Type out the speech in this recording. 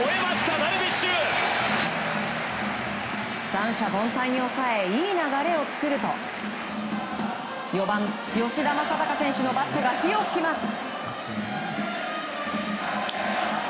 三者凡退に抑えいい流れを作ると４番、吉田正尚選手のバットが火を噴きます。